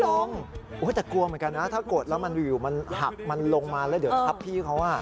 แต่กลัวเหมือนกันนะถ้ากดแล้วมันอยู่มันหักมันลงมาแล้วเดี๋ยวทับพี่เขา